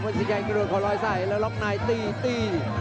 วัดสินชัยกำลังขอร้อยใส่แล้วล็อกไนตีตี